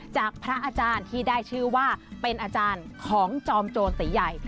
จากพระอาจารย์ที่ได้ชื่อว่าเป็นอาจารย์ของจอมโจรตีใหญ่